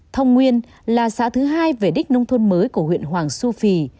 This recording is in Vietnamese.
thông nguyên là xã thứ hai về đích nông thôn mới của huyện hoàng su phi